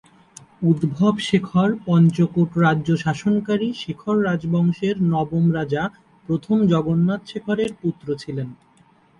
উদ্ধব শেখর পঞ্চকোট রাজ্য শাসনকারী শেখর রাজবংশের নবম রাজা প্রথম জগন্নাথ শেখরের পুত্র ছিলেন।